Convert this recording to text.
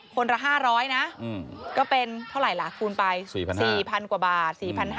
คนละ๕๐๐นะก็เป็นเท่าไหร่ล่ะคูณไป๔๐๐กว่าบาท